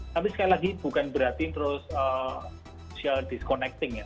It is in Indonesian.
tapi sekali lagi bukan berarti terus social disconnecting ya